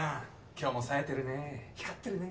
今日もさえてるね光ってるね。